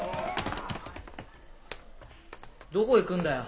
どこ行くんだよ？